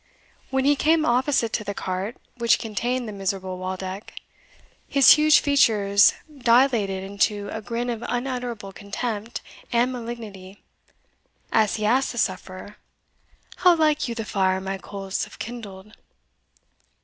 When he came opposite to the cart which contained the miserable Waldeck, his huge features dilated into a grin of unutterable contempt and malignity, as he asked the sufferer, "How like you the fire my coals have kindled?"